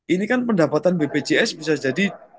ini kan pendapatan bpjs bisa jadi